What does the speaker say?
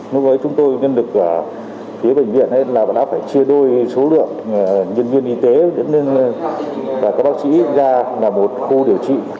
nói với chúng tôi nhân lực ở phía bệnh viện là phải chia đôi số lượng nhân viên y tế và các bác sĩ ra là một khu điều trị